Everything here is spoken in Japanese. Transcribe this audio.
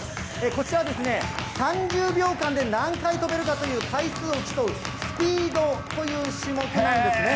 こちらはですね、３０秒間で何回跳べるかという回数を競うスピードという種目なんですね。